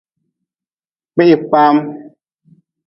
Kpihkpaam.